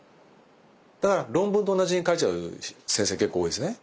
だから論文と同じに書いちゃう先生結構多いですね。